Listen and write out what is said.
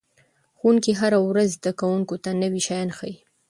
ښوونکي هره ورځ زده کوونکو ته نوي شیان ښيي.